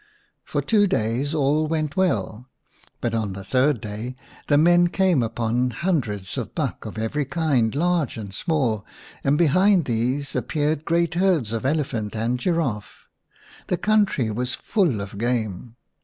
s For two days all went well. But on the third day the men came upon hundreds of buck 36 iv The Shining Princess of every kind, large and small, and behind these appeared great herds of elephant and giraffe. The country was full of game.